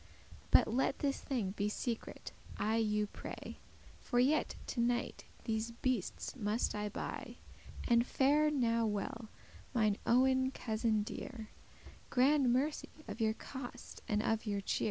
But let this thing be secret, I you pray; For yet to night these beastes must I buy. And fare now well, mine owen cousin dear; *Grand mercy* of your cost and of your cheer."